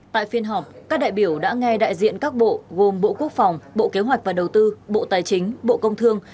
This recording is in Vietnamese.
tại phiên họp các đại biểu đã nghe đại diện các bộ gồm bộ quốc phòng bộ kế hoạch và đầu tư bộ tài chính bộ công thương